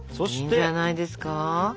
いいんじゃないですか？